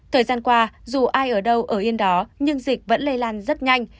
thời gian qua dù ai ở đâu ở yên đó nhưng dịch vẫn lây lan rất nhanh